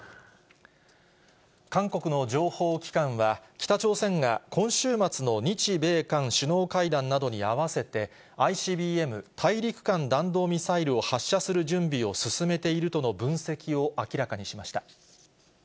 韓国の情報機関は、北朝鮮が今週末の日米韓首脳会談などに合わせて、ＩＣＢＭ・大陸間弾道ミサイルを発射する準備を進めているとの分析を明らかにしました。